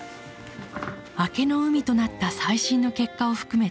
明けの海となった最新の結果を含めてデータを分析。